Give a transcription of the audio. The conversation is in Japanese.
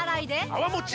泡もち